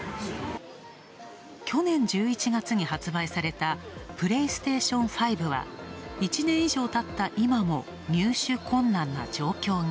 去年１１月に発売されたプレイステーション５は、１年以上経った今も入手困難な状況に。